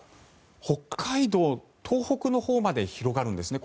北海道、東北のほうまで広がるんですね。